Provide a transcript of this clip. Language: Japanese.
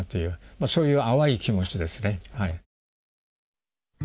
そういう淡い気持ちですね。